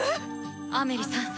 ⁉アメリさん